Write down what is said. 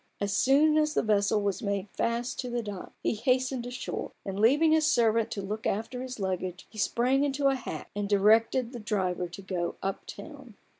As soon as the vessel was made fast to the dock, he hastened ashore ; and leaving his servant to look after his luggage, he sprang into a hack, and directed the driver to go "up town."